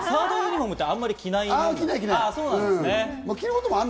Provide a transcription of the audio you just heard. サードユニホームってあんま着ない、着ない。